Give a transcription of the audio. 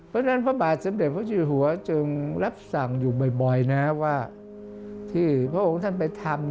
เพราะฉะนั้นพระบาทสมเด็จพระเจ้าหัวจึงรับสั่งอยู่บ่อยนะว่าที่พระองค์ท่านไปทำ